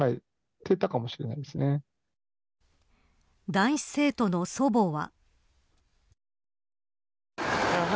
男子生徒の祖母は。